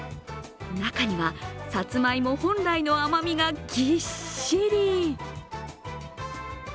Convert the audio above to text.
中にはさつまいも本来の甘みがぎっしり。